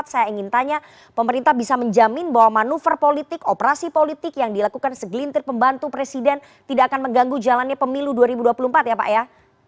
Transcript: saya ingin tanya pemerintah bisa menjamin bahwa manuver politik operasi politik yang dilakukan segelintir pembantu presiden tidak akan mengganggu jalannya pemilu dua ribu dua puluh empat ya pak ya